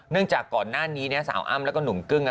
เนื่องจากก่อนหน้านี้เนี่ยสาวอ้ำแล้วก็หนุ่มกึ้งนะ